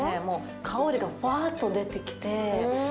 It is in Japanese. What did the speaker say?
もう香りがふわっと出てきて。